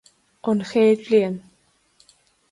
An Chéad Bhliain